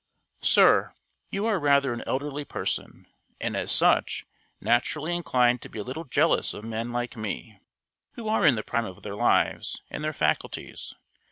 SIR You are rather an elderly person, and as such, naturally inclined to be a little jealous of men like me, who are in the prime of their lives and their faculties.